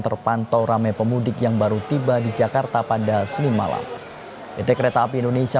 terpantau rame pemudik yang baru tiba di jakarta pada senin malam pt kereta api indonesia